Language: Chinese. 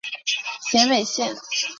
咸北线